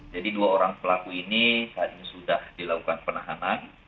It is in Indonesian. jadi dua orang pelaku ini saat ini sudah dilakukan penahanan